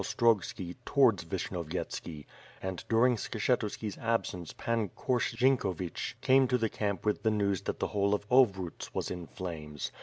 363 trogski towards Vishnyovyetski; and during Skshetuski's ab sence Pan Korsh Zienkovich came to the camp with the news that the whole of Ovruts was in flames.